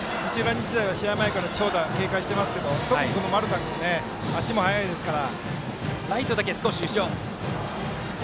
日大は試合前から長打を警戒してますけど特に丸田君、足も速いですから。